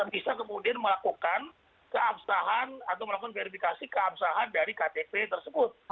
bisa kemudian melakukan keabsahan atau melakukan verifikasi keabsahan dari ktp tersebut